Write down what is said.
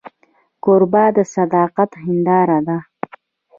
کوربه د صداقت هنداره ده.